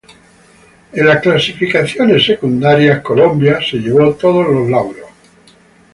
En las clasificaciones secundarias Colombia se llevó todos los lauros.